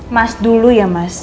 mas dulu ya mas